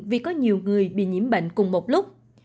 vì có nhiều người bị nhiễm bệnh cùng một lúc